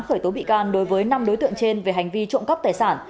khởi tố bị can đối với năm đối tượng trên về hành vi trộm cắp tài sản